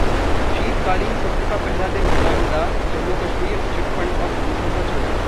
शीतकालीन सत्र का पहला दिन हंगामेदार, जम्मू-कश्मीर, चिटफंड और प्रदूषण पर चर्चा